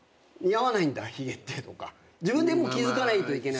自分で気付かないといけない。